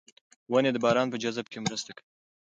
ونې د باران په جذب کې مرسته کوي.